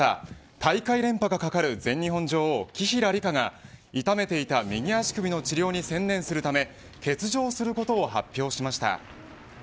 大会連覇が懸かる全日本女王、紀平梨花が痛めていた右足首の治療に専念するため欠場することを発表しました。